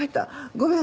ごめん。